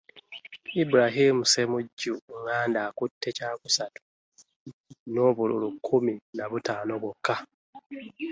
Ibrahim Ssemujju Nganda akutte kyakusatu n'obululu kkumi na butaano bwokka